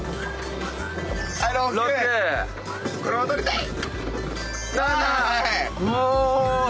これも取りたい。